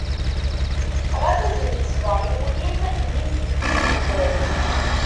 Ɣas azen-d ṣṣber i wul-im, mmi-m tewwi-t tḍeggalt.